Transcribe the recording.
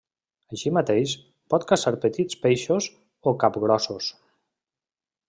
Així mateix, pot caçar petits peixos o capgrossos.